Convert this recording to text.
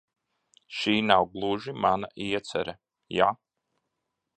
Šī nav gluži mana iecere, ja?